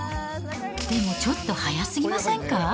でもちょっと早すぎませんか。